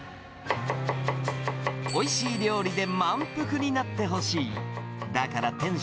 おいしい料理で満腹になってほしい。